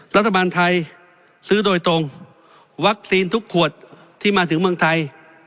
รัฐบาลไทยซื้อโดยตรงวัคซีนทุกขวดที่มาถึงเมืองไทย